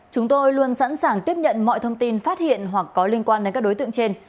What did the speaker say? chúng tôi luôn sẵn sàng tiếp nhận mọi thông tin phát hiện hoặc có liên quan đến các đối tượng trên